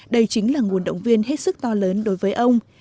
đây chính là nguồn động viên hết sức to lớn đối với ông